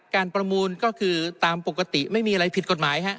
ประมูลก็คือตามปกติไม่มีอะไรผิดกฎหมายฮะ